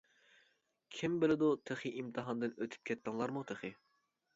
كىم بىلىدۇ تېخى ئىمتىھاندىن ئۆتۈپ كەتتىڭلارمۇ تېخى.